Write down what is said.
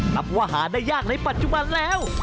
นับว่าหาได้ยากในปัจจุบันแล้ว